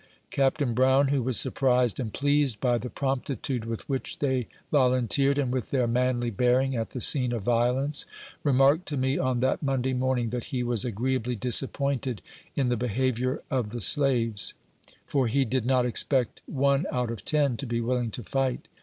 Captain Brown, who was surprised and pleased by the promptitude with which they volunteered, and with their manly bearing at the scene of vio lence, remarked to me, on that Monday morning, that he was agreeably disappointed in the behavior of the slaves ; for he did not expect one out of ten to be willing to fight.